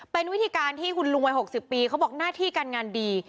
เป็นวิธีการที่คุณลุงวัย๖๐ปีเขาบอกหน้าที่การงานดี